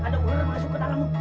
ada ular masuk ke dalam